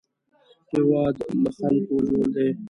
هېواد له خلکو جوړ دی